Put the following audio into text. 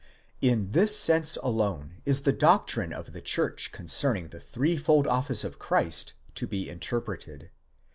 In this sense alone is the doctrine of the church concerning the threefold office of Christ to be interpreted.